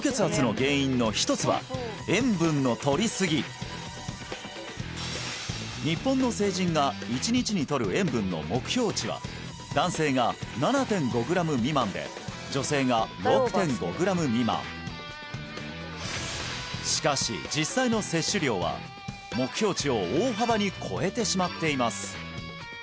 そう日本の成人が１日に取る塩分の目標値は男性が７．５グラム未満で女性が６．５グラム未満しかし実際の摂取量は目標値を大幅に超えてしまっています